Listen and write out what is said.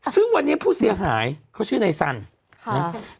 ซึ่งวันนี้ผู้เสียหายเขาชื่อในสันนะ